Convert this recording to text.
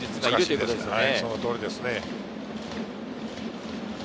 その通りですね。